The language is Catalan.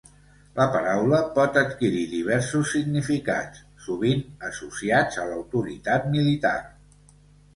La paraula pot adquirir diversos significats, sovint associats a l’autoritat militar.